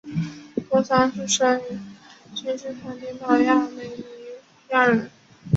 多桑是生于君士坦丁堡的亚美尼亚人。